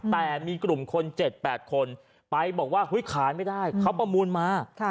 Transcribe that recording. แต่มีกลุ่มคน๗๘คนไปบอกว่าขายไม่ได้เขาประมูลมา